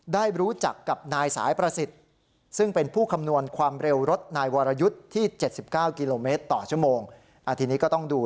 ได้รู้จักกับนายสายประสิทธิ์ซึ่งเป็นผู้คำนวณความเร็วรถนายวรยุทธ์